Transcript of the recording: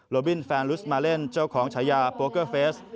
บินแฟนลุสมาเล่นเจ้าของฉายาโปเกอร์เฟส